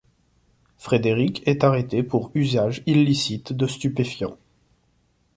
Frédéric est arrêté pour usage illicite de stupéfiants.